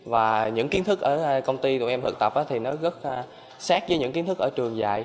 và những kiến thức ở công ty tụi em thực tập thì nó rất sát với những kiến thức ở trường dạy